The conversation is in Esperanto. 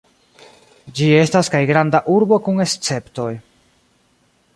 Ĝi estas kaj Granda Urbo kun Esceptoj.